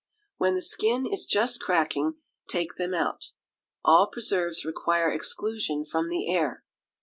When the skin is just cracking, take them out. All preserves require exclusion from the air.